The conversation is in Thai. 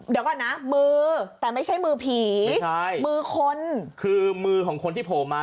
เดี๋ยวก่อนนะมือแต่ไม่ใช่มือผีใช่มือคนคือมือของคนที่โผล่มา